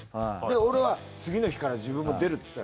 俺は次の日から自分も出るっつって。